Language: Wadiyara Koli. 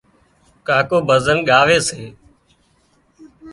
ڪاڪو ڀزن ڳاوي سي